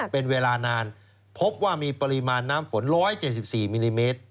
เป็นเวลานานพบว่ามีปริมาณน้ำฝน๑๗๔มิลลิเมตร